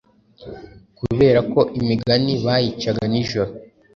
Kubera ko imigani bayicaga nijoro,